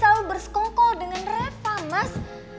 dia ini selalu bersekongkol dengan reva mas